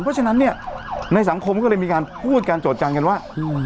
เพราะฉะนั้นเนี่ยในสังคมก็เลยมีการพูดการโจทยันกันว่า